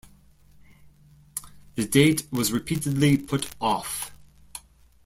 This date was repeatedly put off.